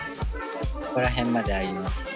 ここら辺まであります。